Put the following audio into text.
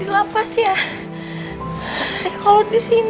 dan ada yang adem